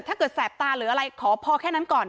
ถ้าเกิดแสดตาหรืออะไรขอพอแค่นั้นก่อน